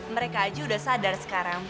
mereka aja udah sadar sekarang